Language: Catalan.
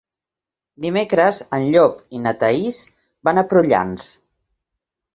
Dimecres en Llop i na Thaís van a Prullans.